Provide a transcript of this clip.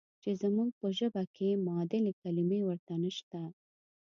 چې زموږ په ژبه کې معادلې کلمې ورته نشته.